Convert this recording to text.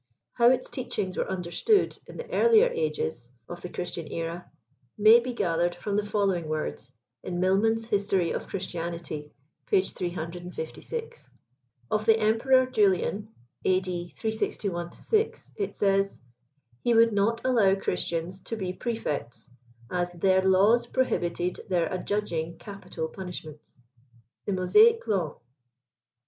How its teachings were understood in the earlier ages of the Christian era, may be gathered from the following words, in ]V(ilinan*s History of Christianity, (p, 356. J Of the Emperor Julian (A. D. 361 6) it says, <* He would not allow Christians to be prae fects, as their laws prohibited their adjudging capital punishments. THE MOSAIC LAW.